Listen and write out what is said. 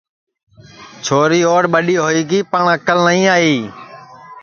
چھوری اُوڈؔ ٻڈؔی ہوئی گی پٹؔ اکل نائی آئی